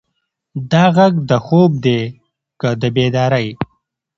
دا غږ د خوب دی که د بیدارۍ؟